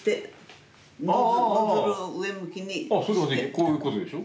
こういうことでしょ？